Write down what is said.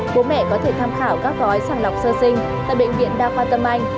bố mẹ có thể tham khảo các gói sàng lọc sơ sinh tại bệnh viện đa khoa tâm anh